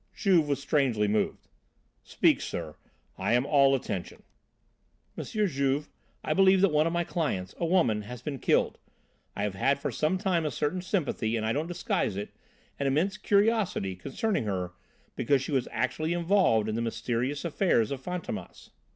Juve was strangely moved. "Speak, sir, I am all attention." "M. Juve, I believe that one of my clients, a woman, has been killed. I have had for some time a certain sympathy, and, I don't disguise it, an immense curiosity concerning her because she was actually involved in the mysterious affairs of Fantômas."